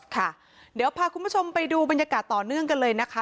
ค่ะเดี๋ยวพาคุณผู้ชมไปดูบรรยากาศต่อเนื่องกันเลยนะคะ